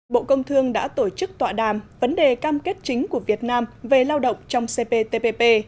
bộ công thương đã tổ chức tọa đàm vấn đề cam kết chính của việt nam về lao động trong cptpp